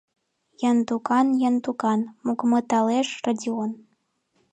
— Яндуган, Яндуган... — мугыматылеш Родион.